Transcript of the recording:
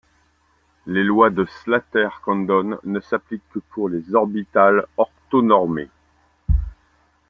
Les lois de Slater-Condon ne s'appliquent que pour des orbitales orthonormées.